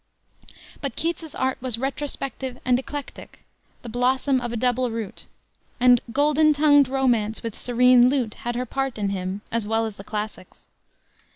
But Keats's art was retrospective and eclectic, the blossom of a double root; and "golden tongued Romance with serene lute" had her part in him, as well as the classics.